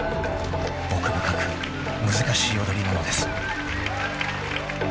［奥深く難しい踊りなのです］